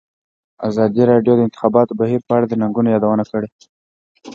ازادي راډیو د د انتخاباتو بهیر په اړه د ننګونو یادونه کړې.